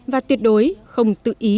và tuyệt đối không tự ý